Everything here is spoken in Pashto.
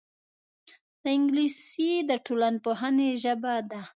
انګلیسي د ټولنپوهنې ژبه ده